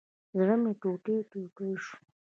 زړه مي ټوټي ټوټي شو